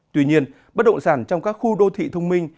tuy nhiên bất động sản trong các khu đô thị thông minh